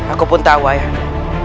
aku pun tahu ayahanda